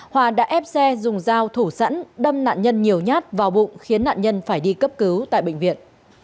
hòa đã ép xe dùng dao thủ sẵn đâm nạn nhân nhiều nhát vào bụng khiến nạn nhân phải đi cấp cứu tại bệnh viện